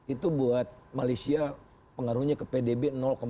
itu buat malaysia pengaruhnya ke pdb tujuh puluh delapan